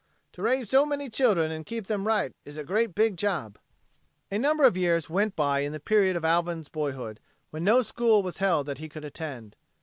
To raise so many children and keep them right is a great big job." A number of years went by in the period of Alvin's boyhood when no school was held that he could attend.